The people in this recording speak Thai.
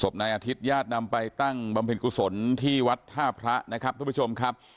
นายอาทิตญาตินำไปตั้งบำเพ็ญกุศลที่วัดท่าพระนะครับทุกผู้ชมครับ